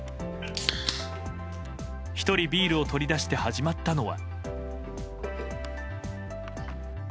１人、ビールを取り出して始まったのは。